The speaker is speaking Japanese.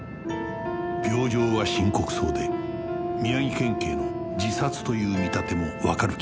病状は深刻そうで宮城県警の自殺という見立てもわかる気がした